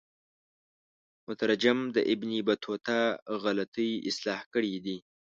مترجم د ابن بطوطه غلطی اصلاح کړي دي.